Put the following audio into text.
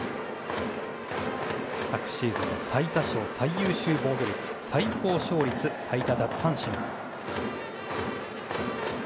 昨シーズンの最多勝、最優秀防御率最高勝率、最多奪三振。